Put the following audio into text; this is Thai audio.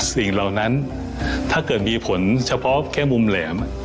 สิ่งเหล่านั้นถ้าเกิดมีผลเฉพาะแค่มุมแหลม